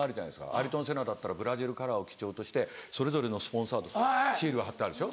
アイルトン・セナだったらブラジルカラーを基調としてそれぞれのスポンサーシール貼ってあるんですよ